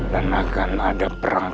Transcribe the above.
dan akan ada perang